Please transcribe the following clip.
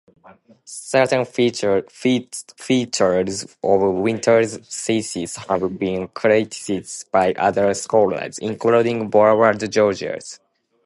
Certain features of Winner's thesis have been criticized by other scholars, including Bernward Joerges.